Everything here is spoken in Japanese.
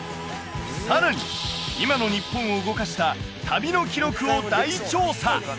さらに今の日本を動かした旅の記録を大調査！